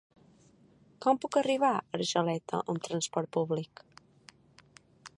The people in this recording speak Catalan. Com puc arribar a Argeleta amb transport públic?